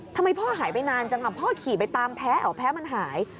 ทำไมพ่อหายไปนานจังอ่ะพ่อขี่ไปตามแพ้เหรอแพ้มันหาย